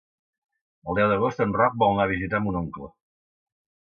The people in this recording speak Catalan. El deu d'agost en Roc vol anar a visitar mon oncle.